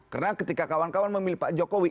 karena ketika kawan kawan memilih pak jokowi